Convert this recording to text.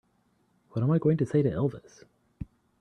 What am I going to say to Elvis?